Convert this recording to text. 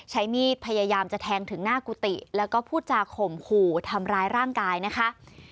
ใช้มีดพยายามจะแทงถึงหน้ากุฏิแล้วก็พูดจาข่มขู่ทำร้ายร่างกายนะคะ